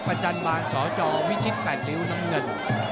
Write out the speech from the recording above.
จันบานสจวิชิต๘ริ้วน้ำเงิน